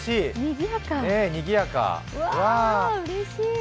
うれしい。